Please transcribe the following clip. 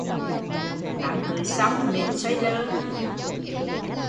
Đám cưới xong mệt xoay lơ